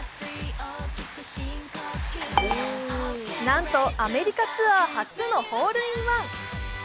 なんとアメリカツアー初のホールインワン。